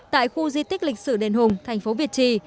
tại khu di tích lịch sử đền hùng thành phố việt trì